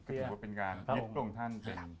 ถูกว่าเป็นการเหล็กพระองค์ท่าน